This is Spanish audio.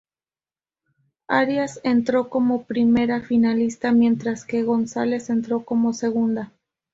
Arias entró como primera finalista, mientras que González entró como segunda.